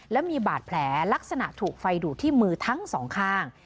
และมีบาดแผลลักษณะถูกไฟดูดที่มือทั้งสองข้าง